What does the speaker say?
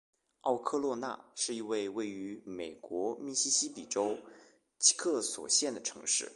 奥科洛纳是一个位于美国密西西比州奇克索县的城市。